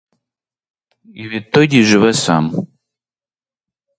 І відтоді живе сам.